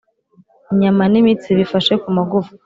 inyama n imitsi bifashe ku magufwa